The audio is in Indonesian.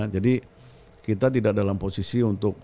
jadi kita tidak dalam posisi untuk